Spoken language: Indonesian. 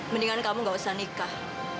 mendingan kamu gak usah nikah